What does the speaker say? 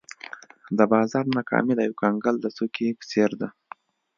د بازار ناکامي د یو کنګل د څوکې په څېر ده.